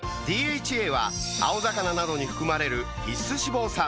ＤＨＡは青魚などに含まれる必須脂肪酸